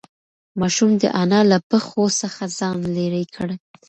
ماشوم د انا له پښو څخه ځان لیرې کړ.